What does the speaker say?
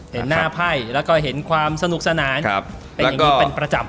เห็นหน้าไพ่แล้วก็เห็นความสนุกสนาน